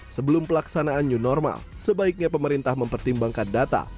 sebelum pelaksanaan new normal sebaiknya pemerintah mempertimbangkan data